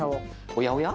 おやおや？